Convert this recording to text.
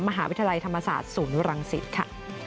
มหาวิทยาลัยธรรมศาสตร์ศูนย์รังสิตค่ะ